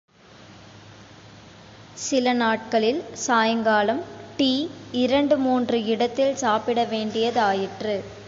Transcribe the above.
சில நாட்களில் சாயங்காலம் டீ, இரண்டு மூன்று இடத்தில் சாப்பிட வேண்டிய தாயிற்று.